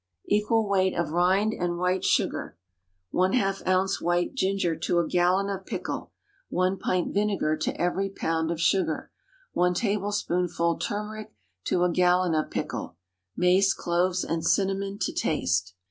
_) Equal weight of rind and white sugar. ½ ounce white ginger to a gallon of pickle. 1 pint vinegar to every pound of sugar. 1 tablespoonful turmeric to a gallon of pickle. Mace, cloves, and cinnamon to taste.